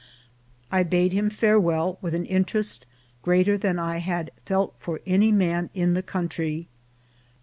I bade him farewell with an interest greater than I had felt for any man in the country.